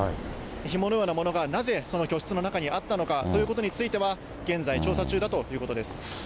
ひものようなものがなぜその居室の中にあったのかということについては、現在、調査中だということです。